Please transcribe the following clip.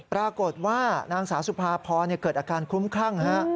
ปรากฏว่านางสาวสุภาพรเกิดอาการคลุ้มคลั่งฮะ